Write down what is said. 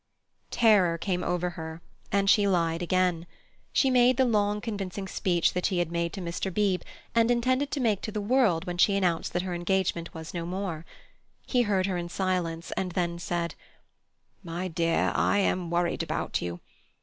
Terror came over her, and she lied again. She made the long, convincing speech that she had made to Mr. Beebe, and intended to make to the world when she announced that her engagement was no more. He heard her in silence, and then said: "My dear, I am worried about you.